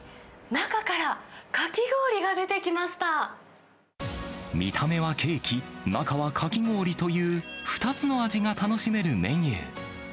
中から、見た目はケーキ、中はかき氷という、２つの味が楽しめるメニュー。